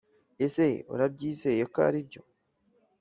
ese urabyizeye ko aribyo?